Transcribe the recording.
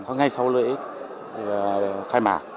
sau ngay sau lễ khai mạc